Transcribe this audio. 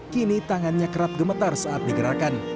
kini tangannya kerap gemetar saat digerakkan